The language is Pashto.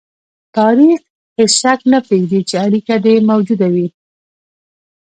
تاریخ هېڅ شک نه پرېږدي چې اړیکه دې موجوده وي.